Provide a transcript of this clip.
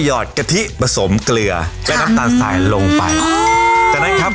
ยอดกะทิผสมเกลือแล้วน้ำตาลสายลงไปโอ้โห